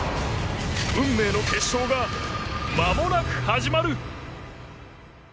運命の決勝が、まもなく始まる！